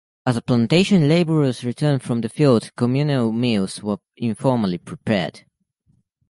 As plantation laborers returned from the fields communal meals were informally prepared.